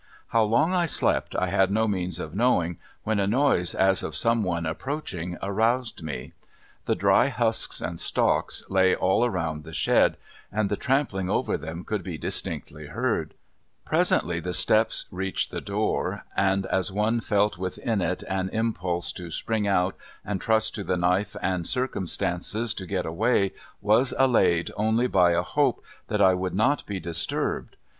How long I slept I had no means of knowing when a noise as of some one approaching aroused me. The dry husks and stalks lay all around the shed, and the trampling over them could be distinctly heard. Presently the steps reached the door, and as one fell within it an impulse to spring out and trust to the knife and circumstances to get away was allayed only by a hope that I would not be disturbed.